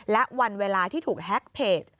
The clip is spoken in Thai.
และวันเวลาที่ถูกแฮ็กเพจ